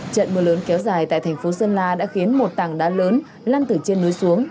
trận mưa lớn kéo dài tại thành phố sơn la đã khiến một tảng đá lớn lan từ trên núi xuống